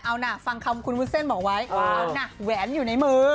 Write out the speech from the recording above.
เอานะฟังคำคุณวุ้นเส้นบอกไว้นะแหวนอยู่ในมือ